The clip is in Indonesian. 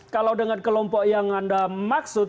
kalau dengan kelompok yang anda maksud